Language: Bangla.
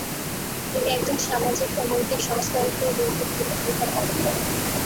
তিনি একজন সামাজিক ও নৈতিক সংস্কারক হয়ে গুরুত্বপূর্ণ ভূমিকা পালন করেন।